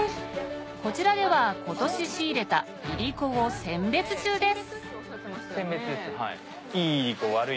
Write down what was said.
こちらでは今年仕入れたいりこを選別中です